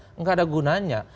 tidak ada gunanya